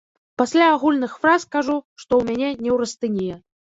Пасля агульных фраз кажу, што ў мяне неўрастэнія.